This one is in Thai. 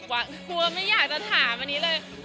กลัวไม่อยากจะถามอันนี้เลย